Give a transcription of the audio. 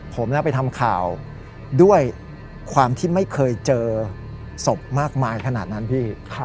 ผมไปทำข่าวด้วยความที่ไม่เคยเจอศพมากมายขนาดนั้นพี่